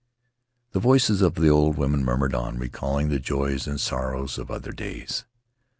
..." The voices of the old women murmured on, recalling the joys and sorrows of other days.